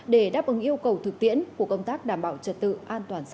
để đáp ứng yêu cầu thực tiễn của công tác đảm bảo trật tự an toàn